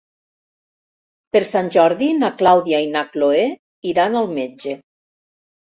Per Sant Jordi na Clàudia i na Cloè iran al metge.